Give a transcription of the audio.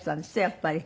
やっぱり。